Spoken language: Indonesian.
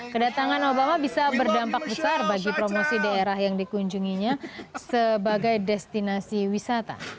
kedatangan obama bisa berdampak besar bagi promosi daerah yang dikunjunginya sebagai destinasi wisata